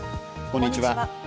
こんにちは。